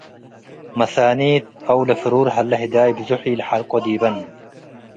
መሳኒት አው ለፍሩር ሀለ ህዳይ ብዞሕ ወኢለሐርቆ ዲበን ።